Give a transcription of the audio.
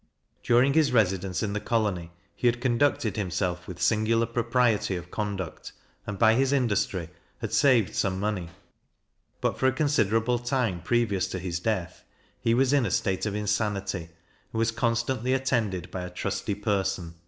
During his residence in the colony, he had conducted himself with singular propriety of conduct; and, by his industry, had saved some money; but, for a considerable time previous to his death, he was in a state of insanity, and was constantly attended by a trusty person.